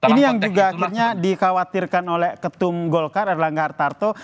ini yang juga akhirnya dikhawatirkan oleh ketum golkar erlangga hartarto